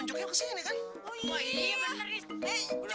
ndah kenal gua di atas sini sih